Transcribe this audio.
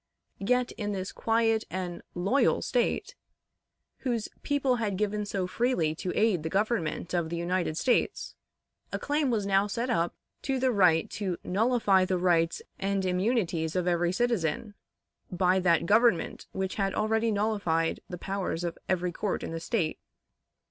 Yet, in this quiet and "loyal" State, whose people had given so freely to aid the Government of the United States, a claim was now set up to the right to nullify the rights and immunities of every citizen, by that Government which had already nullified the powers of every court in the State.